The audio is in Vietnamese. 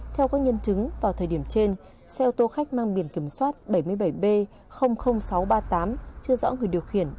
theo các nhân chứng vào thời điểm trên xe ô tô khách mang biển kiểm soát bảy mươi bảy b sáu trăm ba mươi tám chưa rõ người điều khiển